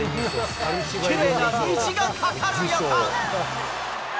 きれいな虹が架かる予感。